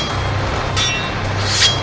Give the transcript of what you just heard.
rayus rayus sensa pergi